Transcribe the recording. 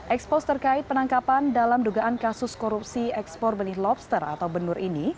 ekspos terkait penangkapan dalam dugaan kasus korupsi ekspor benih lobster atau benur ini